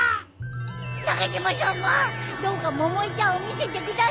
長嶋さまどうか百恵ちゃんを見せてください。